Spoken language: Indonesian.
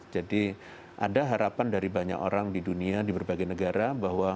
jadi saya juga bisa lihat dari banyak orang di dunia di berbagai negara bahwa